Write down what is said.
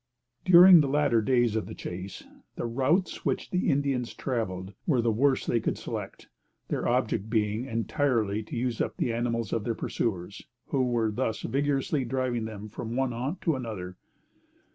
During the latter days of the chase, the routes which the Indians traveled were the worst they could select; their object being, entirely to use up the animals of their pursuers, who were thus vigorously driving them from one haunt to another.